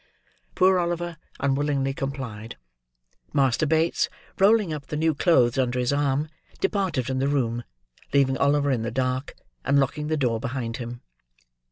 Poor Oliver unwillingly complied. Master Bates rolling up the new clothes under his arm, departed from the room, leaving Oliver in the dark, and locking the door behind him.